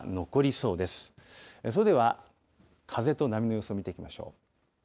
それでは、風と波の予想を見ていきましょう。